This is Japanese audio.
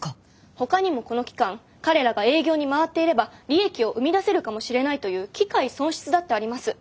ほかにもこの期間彼らが営業に回っていれば利益を生み出せるかもしれないという機会損失だってあります。